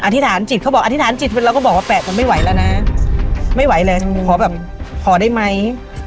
ธิษฐานจิตเขาบอกอธิษฐานจิตเราก็บอกว่าแปะกันไม่ไหวแล้วนะไม่ไหวเลยขอแบบขอได้ไหม